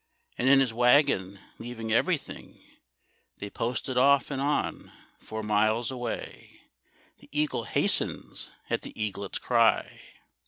And in his waggon, leaving everything, They posted off and on, four miles away. The eagle hastens at the eaglet's cry.